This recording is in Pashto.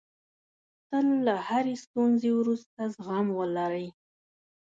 تل له هرې ستونزې وروسته زغم ولرئ.